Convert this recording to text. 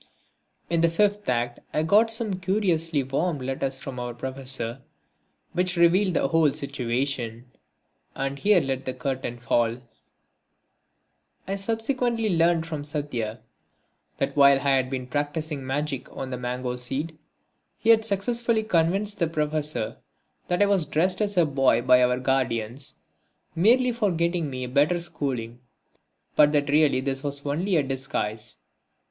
In the fifth act I got some curiously warm letters from our Professor which revealed the whole situation. And here let the curtain fall. I subsequently learnt from Satya that while I had been practising magic on the mango seed, he had successfully convinced the Professor that I was dressed as a boy by our guardians merely for getting me a better schooling, but that really this was only a disguise.